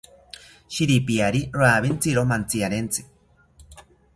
Shiripiari rawintziro mantziarentsi